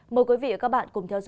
mời quý vị và các bạn cùng theo dõi